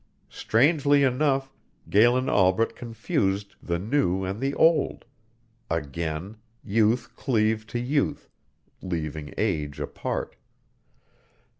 Strangely enough Galen Albret confused the new and the old; again youth cleaved to youth, leaving age apart.